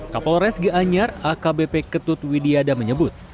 kapolres gianyar akbp ketut widiada menyebut